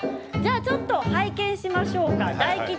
ちょっと拝見しましょうか。